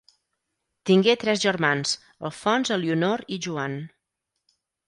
Tingué tres germans, Alfons, Elionor i Joan.